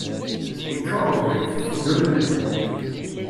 Yeččur webrid, teddun medden.